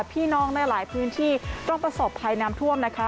พี่น้องในหลายพื้นที่ต้องประสบภัยน้ำท่วมนะคะ